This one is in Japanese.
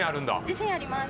自信あります。